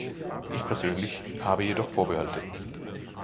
Ich persönlich habe jedoch Vorbehalte.